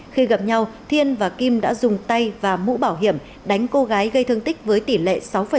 khi gặp nhau thiên và kim đã dùng tay và mũ bảo hiểm đánh cô gái gây thương tích với tỷ lệ sáu